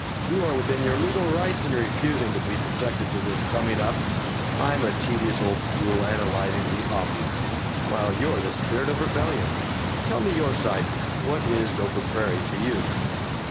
You are within your legal rights in refusing to be subjected to this summing up. I'm a tedious old fool analyzing the obvious, while you're the spirit of rebellion. Tell me your side. What is Gopher Prairie to you?"